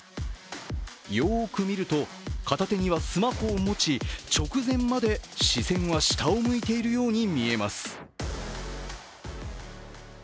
よーく見ると、片手にはスマホを持ち、直前まで視線は下を向いているように見えます。